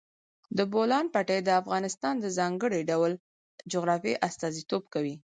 د بولان پټي د افغانستان د ځانګړي ډول جغرافیه استازیتوب کوي.